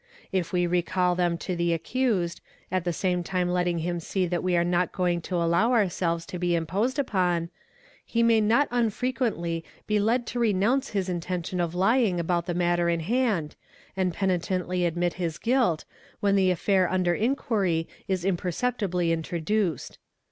If we re all them to the accused, at the same time letting him see that we are no going to allow ourselves to be imposed upon, he may not unfrequently he led to renounce his intention of lying about the matter in hand, anc penitently admit his guilt, when the affair under inquiry is imper ceptibly introduced.